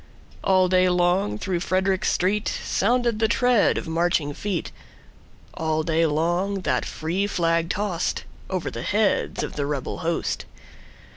All day long through Frederick streetSounded the tread of marching feet:All day long that free flag tostOver the heads of the rebel host.